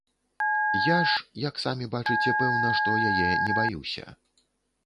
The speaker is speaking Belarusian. Я ж, як самі бачыце, пэўна што яе не баюся.